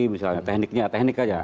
misalnya tekniknya teknik aja